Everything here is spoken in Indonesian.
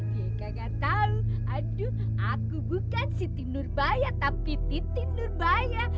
dia gak tau aduh aku bukan si tinur baya tapi titin nur baya